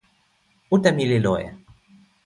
uta mi li loje.